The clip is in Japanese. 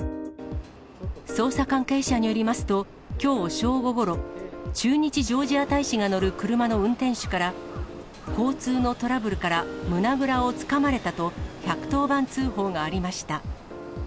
捜査関係者によりますと、きょう正午ごろ、駐日ジョージア大使が乗る車の運転手から、交通のトラブルから胸倉をつかまれたと、１１０番通報がありました。